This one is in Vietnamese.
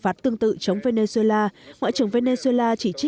phạt tương tự chống venezuela ngoại trưởng venezuela chỉ trích